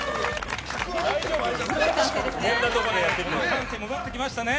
歓声も戻ってきましたね。